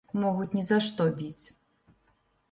Могуць ні за што біць.